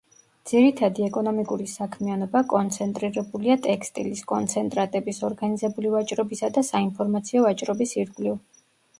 ძირითადი ეკონომიკური საქმიანობა კონცენტრირებულია ტექსტილის, კონცენტრატების, ორგანიზებული ვაჭრობისა და საინფორმაციო ვაჭრობის ირგვლივ.